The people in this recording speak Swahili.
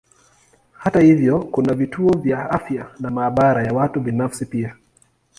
Hata hivyo kuna vituo vya afya na maabara ya watu binafsi pia.